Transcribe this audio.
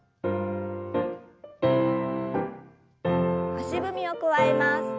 足踏みを加えます。